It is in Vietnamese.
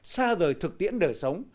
xa rời thực tiễn đời sống